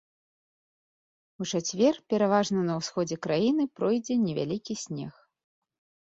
У чацвер пераважна на ўсходзе краіны пройдзе невялікі снег.